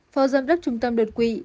phó giám đốc trung tâm đột quỵ